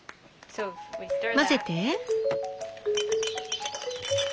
混ぜて。